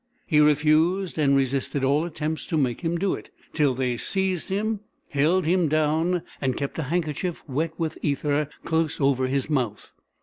He refused and resisted all attempts to make him do it, till they seized him, held him down, and kept a handkerchief wet with ether close over his mouth.